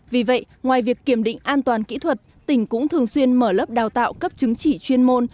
vì vậy ngoài việc kiểm định an toàn kỹ thuật tỉnh cũng thường xuyên mở lớp đào tạo cấp chứng chỉ chuyên môn